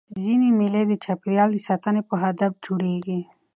ځيني مېلې د چاپېریال د ساتني په هدف جوړېږي.